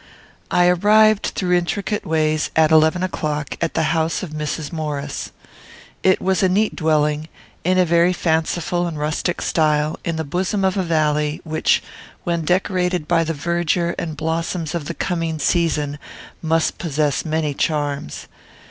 I arrived, through intricate ways, at eleven o'clock, at the house of Mrs. Maurice. It was a neat dwelling, in a very fanciful and rustic style, in the bosom of a valley, which, when decorated by the verdure and blossoms of the coming season, must possess many charms.